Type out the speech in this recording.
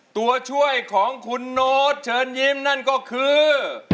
ตัวช่วยของคุณโน๊ตเชิญยิ้มนั่นก็คือ